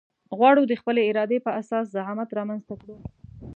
غواړو د خپلې ارادې په اساس زعامت رامنځته کړو.